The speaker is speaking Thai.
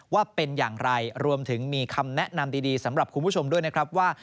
ว่าเป็นอย่างไรรวมถึงมีคำแนะนำดีสำหรับคุณผู้ชมด้วยนะครับว่า